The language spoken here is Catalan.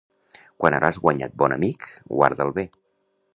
Quan hauràs guanyat bon amic, guarda'l bé.